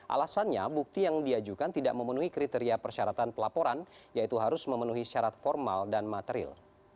alasannya bukti yang diajukan tidak memenuhi kriteria persyaratan pelaporan yaitu harus memenuhi syarat formal dan material